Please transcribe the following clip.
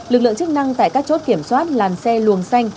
lực lượng chức năng tại các chốt kiểm soát làn xe luồng xanh